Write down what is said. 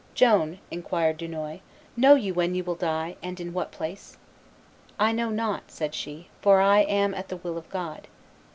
"Joan," inquired Dunois, "know you when you will die, and in what place?" "I know not," said she, "for I am at the will of God."